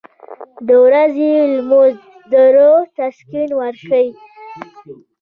• د ورځې لمونځ د روح تسکین ورکوي.